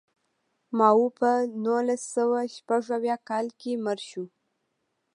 ماوو په نولس سوه شپږ اویا کال کې مړ شو.